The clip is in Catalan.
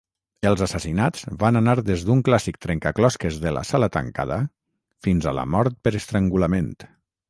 Els assassinats van anar des d'un clàssic trencaclosques de la sala tancada fins a la mort per estrangulament.